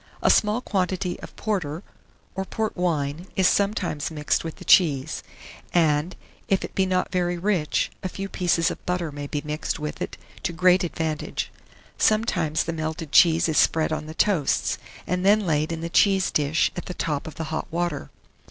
A small quantity of porter, or port wine, is sometimes mixed with the cheese; and, if it be not very rich, a few pieces of butter may be mixed with it to great advantage. Sometimes the melted cheese is spread on the toasts, and then laid in the cheese dish at the top of the hot water.